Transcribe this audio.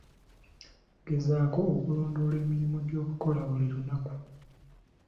Gezaako okulondoola emirimu gy'okola buli lunaku.